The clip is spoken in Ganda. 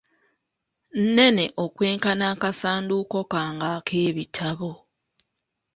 nnene okwenkana akasanduuko kange ak’ebitabo.